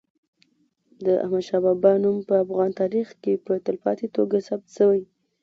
د احمد شاه بابا نوم په افغان تاریخ کي په تلپاتې توګه ثبت سوی.